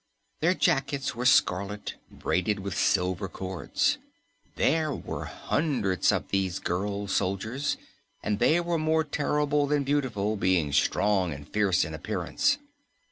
Their jackets were scarlet, braided with silver cords. There were hundreds of these girl soldiers, and they were more terrible than beautiful, being strong and fierce in appearance.